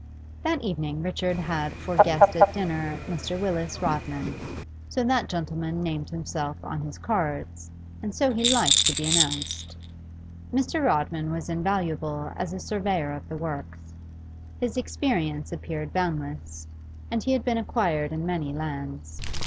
That evening Richard had for guest at dinner Mr. Willis Rodman; so that gentleman named himself on his cards, and so he liked to be announced. Mr. Rodman was invaluable as surveyor of the works; his experience appeared boundless, and had been acquired in many lands.